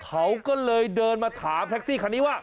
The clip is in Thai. เขาก็เลยเดินมาถามแท็กซี่คันนี้ว่า